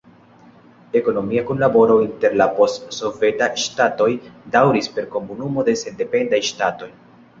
Ekonomia kunlaboro inter la post-sovetaj ŝtatoj daŭris per Komunumo de Sendependaj Ŝtatoj.